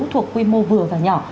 thuộc quy mô vừa và nhỏ